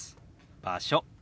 「場所」。